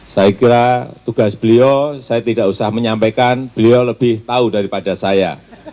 saya kira tugas beliau saya tidak usah menyampaikan beliau lebih tahu daripada saya